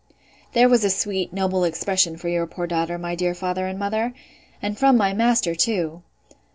There was a sweet, noble expression for your poor daughter, my dear father and mother!—And from my master too!